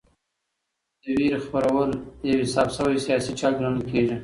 د وېرې خپرول یو حساب شوی سیاسي چل ګڼل کېږي.